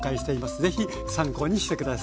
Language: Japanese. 是非参考にして下さい。